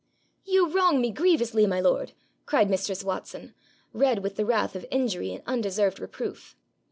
'You wrong me grievously, my lord,' cried mistress Watson, red with the wrath of injury and undeserved reproof.